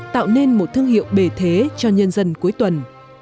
tạo nên một thương hiệu bề thế cho nhân dân cuối tuần